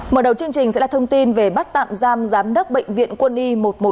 mở đầu chương trình sẽ là thông tin về bắt tạm giam giám đốc bệnh viện quân y một trăm một mươi một